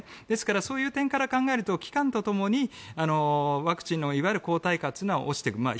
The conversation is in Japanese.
ですからそういう点から考えると期間とともにワクチンのいわゆる抗体価は落ちてくる。